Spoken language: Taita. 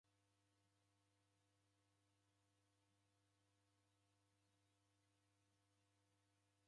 W'andu w'ilipagha kodi ni suti w'izighano nicha.